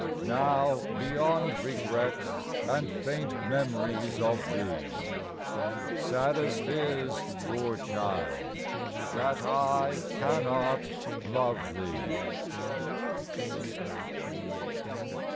Now, beyond regrets And faint memories of thee. Saddest is, poor child, That I cannot love thee.